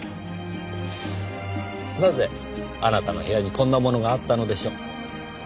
なぜあなたの部屋にこんなものがあったのでしょう？